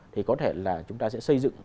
thì có thể là chúng ta sẽ xây dựng